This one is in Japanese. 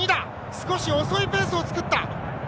少し遅いペースを作った。